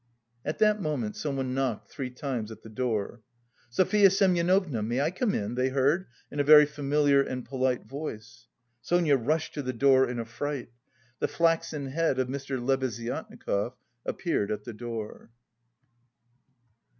At that moment someone knocked three times at the door. "Sofya Semyonovna, may I come in?" they heard in a very familiar and polite voice. Sonia rushed to the door in a fright. The flaxen head of Mr. Lebeziatnikov appeared at the door.